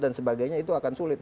dan sebagainya itu akan sulit